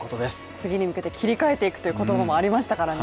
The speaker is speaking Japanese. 次に向けて切り替えていくという言葉もありましたからね。